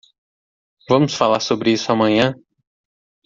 Vamos falar sobre isso amanhã.